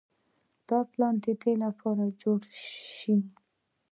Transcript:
دا پلان د دې لپاره جوړ شوی